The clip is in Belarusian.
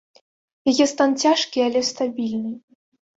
Яе стан цяжкі, але стабільны.